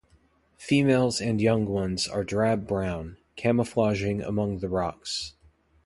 Females and young ones are drab brown, camouflaging among the rocks.